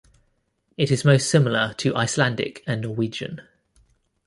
It is most similar to Icelandic and Norwegian.